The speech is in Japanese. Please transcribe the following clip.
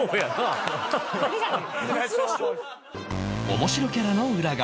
面白キャラの裏側